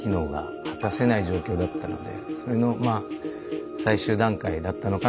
それのまあ最終段階だったのかな。